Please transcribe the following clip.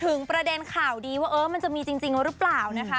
ประเด็นข่าวดีว่าเออมันจะมีจริงหรือเปล่านะคะ